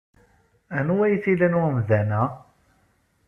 Anwa ay t-ilan wemdan-a?